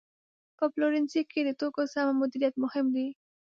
په پلورنځي کې د توکو سمه مدیریت مهم دی.